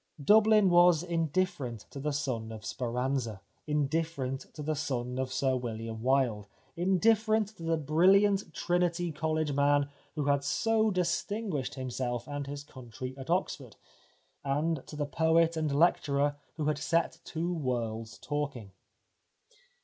Dublin was indifferent to the son of Speranza, indifferent to the son of Sir William Wilde, in different to the brilliant Trinity College man who had so distinguished himself and his country at Oxford, and to the poet and lecturer who had set two worlds talking.